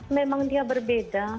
memang dia berbeda